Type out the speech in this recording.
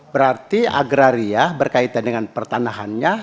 berarti agraria berkaitan dengan pertanahannya